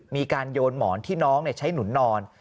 มีการโยนหมอนที่น้องใช้หนุนนอน